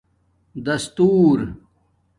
دَستݸر